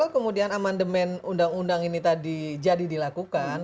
kemudian amandemen undang undang ini tadi jadi dilakukan